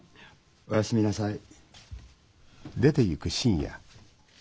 おやすみなさい。